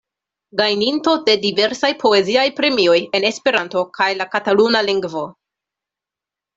Gajninto de diversaj poeziaj premioj en Esperanto kaj la kataluna lingvo.